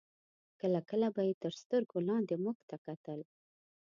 کله کله به یې تر سترګو لاندې موږ ته کتل.